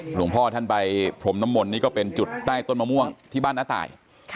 หลวงพ่อท่านไปพรมน้ำมนต์นี่ก็เป็นจุดใต้ต้นมะม่วงที่บ้านน้าตาย